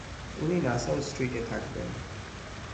উনি নাসাউ স্ট্রিটে থাকবেন।